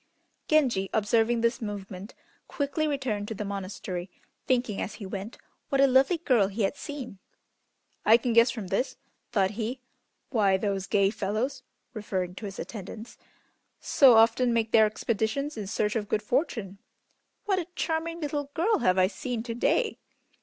Genji observing this movement quickly returned to the monastery, thinking as he went what a lovely girl he had seen. "I can guess from this," thought he, "why those gay fellows (referring to his attendants) so often make their expeditions in search of good fortune. What a charming little girl have I seen to day!